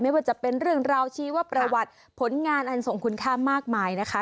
ไม่ว่าจะเป็นเรื่องราวชีวประวัติผลงานอันส่งคุณค่ามากมายนะคะ